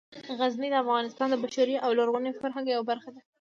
غزني د افغانستان د بشري او لرغوني فرهنګ یوه برخه ده.